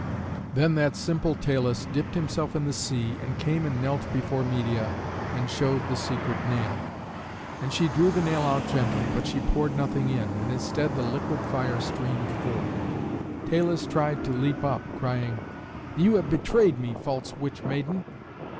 Then that simple Talus dipped himself in the sea, and came and knelt before Medeia and showed the secret nail. And she drew the nail out gently, but she poured nothing in, and instead the liquid fire streamed forth. Talus tried to leap up, crying, "You have betrayed me, false witch maiden."